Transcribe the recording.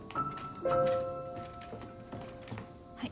はい。